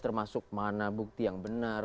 termasuk mana bukti yang benar